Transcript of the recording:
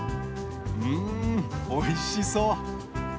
うんおいしそう！